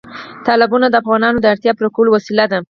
تالابونه د افغانانو د اړتیاوو پوره کولو وسیله ده.